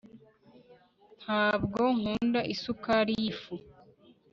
ntabwo nkunda isukari y'ifu